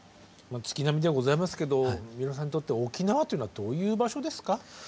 月並みではございますけど三浦さんにとって沖縄というのはどういう場所ですか？